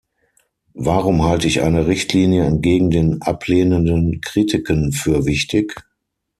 Warum halte ich eine Richtlinie entgegen den ablehnenden Kritiken für wichtig?